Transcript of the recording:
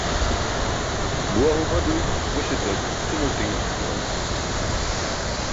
Buwaa huma duus muśaṭar isumal ṭiṅ etum juwan.